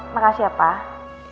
makasih ya pak